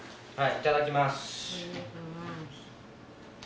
いただきます。